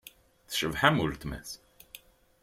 Tecbeḥ am weltma-s.